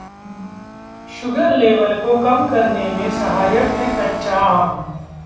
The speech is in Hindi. शुगर लेवल को कम करने में सहायक है कच्चा आम